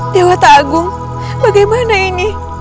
dewa ta'agung bagaimana ini